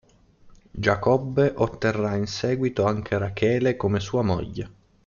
Giacobbe otterrà in seguito anche Rachele come sua moglie.